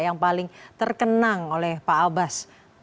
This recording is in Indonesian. yang paling terkenang oleh pak abbas